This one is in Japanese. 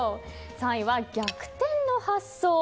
３位は逆転の発想